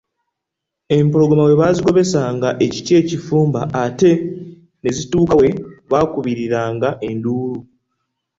Empologoma bwe baazigobesanga ekiti ekifumba ate ne zituuka we baakubiriranga enduulu.